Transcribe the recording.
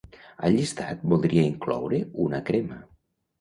Al llistat voldria incloure una crema.